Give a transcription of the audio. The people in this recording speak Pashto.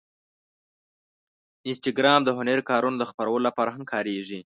انسټاګرام د هنري کارونو د خپرولو لپاره هم کارېږي.